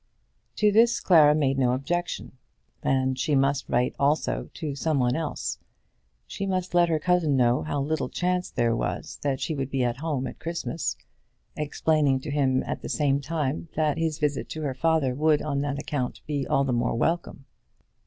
To this Clara made no objection; and she must write also to some one else. She must let her cousin know how little chance there was that she would be at home at Christmas, explaining to him at the same time that his visit to her father would on that account be all the more welcome.